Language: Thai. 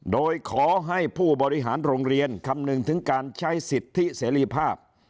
โดยขอให้ผู้บริหารโรงเรียนคำนึงถึงการใช้สิทธิเสรีภาพ